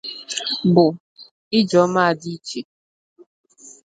bụ: Ijeoma Adichie